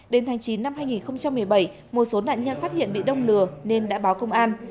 đến tháng chín năm hai nghìn một mươi bảy một số nạn nhân phát hiện bị đông lừa nên đã báo công an